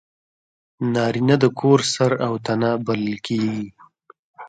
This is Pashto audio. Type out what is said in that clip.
نارینه د کور سر او تنه بلل کېږي.